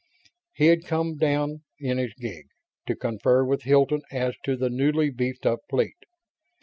He had come down in his gig, to confer with Hilton as to the newly beefed up fleet.